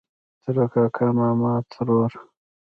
ترۀ کاکا ماما ترور